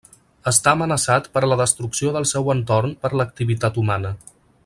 Està amenaçat per la destrucció del seu entorn per l'activitat humana.